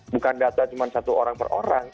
bukan data cuma satu orang per orang